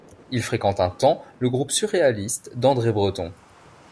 Il fréquente un temps le groupe surréaliste d'André Breton.